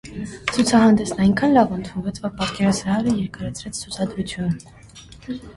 Ցուցահանդեսն այնքան լավ ընդունվեց, որ պատկերասրահը երկարացրեց ցուցադրությունը։